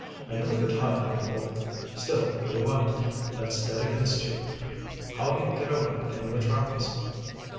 "I never could hide my bulk. Still you're white that's dead against you. How do you get over that in your travels?"